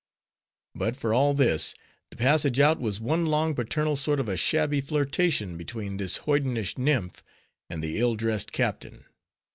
But for all this, the passage out was one long paternal sort of a shabby flirtation between this hoydenish nymph and the ill dressed captain.